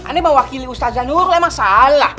ini mewakili ustadz zahnuyuh emang salah